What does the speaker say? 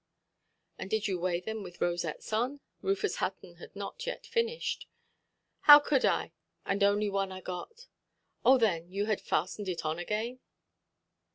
"And did you weigh them with rosettes on"? Rufus Hutton had not finished yet. "How cud I, and only one got it"? "Oh, then, you had fastened it on again"?